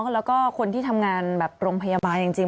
แล้วก็คนที่ทำงานแบบโรงพยาบาลจริง